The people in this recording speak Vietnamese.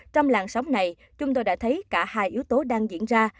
trong làng sóng này chúng tôi đã thấy cả hai yếu tố đang diễn ra